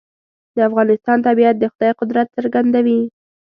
د افغانستان طبیعت د خدای قدرت څرګندوي.